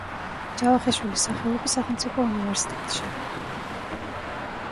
ჯავახიშვილის სახელობის სახელმწიფო უნივერსიტეტში.